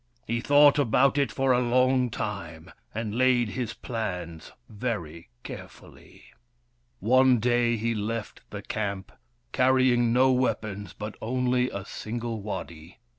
He thought about it for a long time, and laid his plans very carefully. One day he left the camp, carrying no weapons, but only a single waddy.